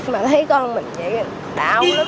mà thấy con mình vậy là đau